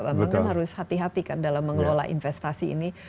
memang kan harus hati hati kan dalam mengelola investasi ini